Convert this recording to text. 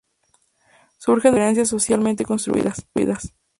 Surgen desde las diferencias socialmente construidas.